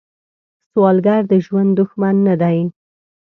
سوالګر د ژوند دښمن نه دی